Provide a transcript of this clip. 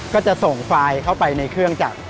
ก็จะส่งไฟล์เข้าไปในเครื่องจักร